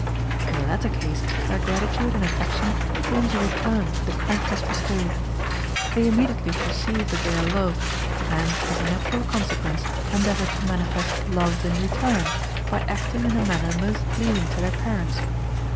In the latter case their gratitude and affection forms a return for the kindness bestowed. They immediately perceive that they are loved, and, as a natural consequence, endeavor to manifest love in return, by acting in a manner most pleasing to their parents.